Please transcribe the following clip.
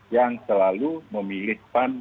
yang selalu memilihkan